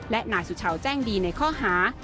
และนายสุชาวแจ้งดีในข้อหา